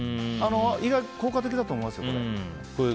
意外と効果的だと思いますよこれ。